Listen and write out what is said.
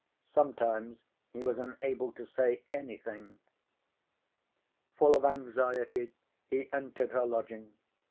Sometimes he was unable to say anything. Full of anxiety he entered her lodging.